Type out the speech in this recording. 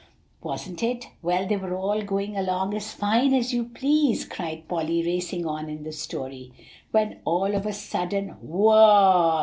"Wasn't it? Well, they were all going along as fine as you please," cried Polly, racing on in the story, "when all of a sudden, Whoa!